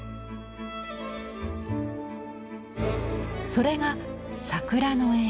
それが桜の絵。